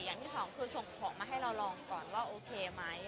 อย่างที่สองคือส่งของมาให้เราลองก่อนว่าโอเคไหม